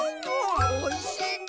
おいしいね。